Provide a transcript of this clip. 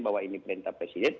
bahwa ini perintah presiden